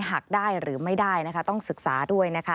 หากได้หรือไม่ได้ต้องศึกษาด้วย